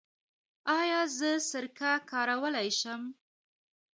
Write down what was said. ایا زه سرکه کارولی شم؟